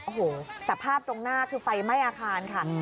โอ้โหแต่ภาพตรงหน้าคือไฟไหม้อาคารค่ะ